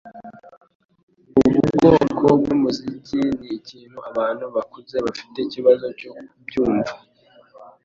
Ubu bwoko bwumuziki nikintu abantu bakuze bafite ikibazo cyo kubyumva.